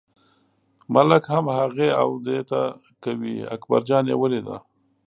ملک هم هغې او دې ته کوي، اکبرجان یې ولیده.